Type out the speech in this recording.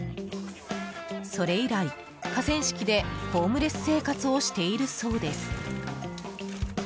それ以来、河川敷でホームレス生活をしているそうです。